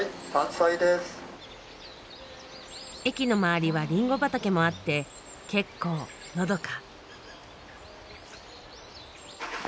駅の周りはリンゴ畑もあって結構のどか。